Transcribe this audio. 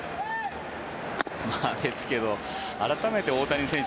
ですけど改めて大谷選手